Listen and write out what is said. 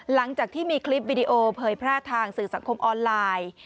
หลังจากที่มีคลิปวิดีโอเผยแพร่ทางสื่อสังคมออนไลน์